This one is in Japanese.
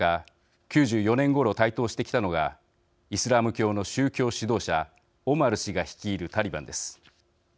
９４年頃台頭してきたのがイスラム教の宗教指導者オマル師が率いるタリバンです。